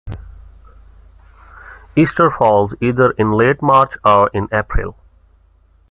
Easter falls either in late March or in April